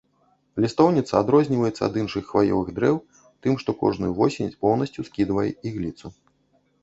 Лістоўніца адрозніваецца ад іншых хваёвых дрэў тым, што кожную восень поўнасцю скідвае ігліцу.